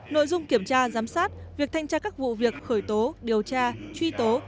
nội dung kiểm tra giám sát việc thanh tra các vụ việc khởi tố điều tra truy tố